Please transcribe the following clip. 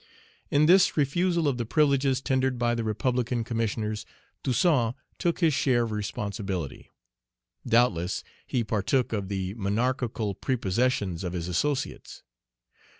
In this refusal of the privileges tendered by the republican Commissioners, Toussaint took his share of responsibility. Doubtless he partook of the monarchical prepossessions of his associates.